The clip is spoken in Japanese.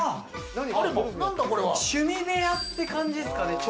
趣味部屋って感じですかね。